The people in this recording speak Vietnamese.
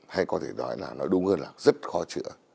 hay có thể nói đúng hơn là rất khó chữa